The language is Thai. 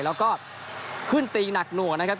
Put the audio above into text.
แล้วก็ขึ้นตีหนักหน่วงนะครับ